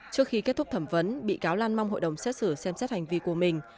trước khi kết thúc thẩm vấn bị cáo lan mong hội đồng xét xử xem xét hành vi của mình